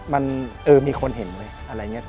มันมีคนเห็นเว้ยอะไรอย่างนี้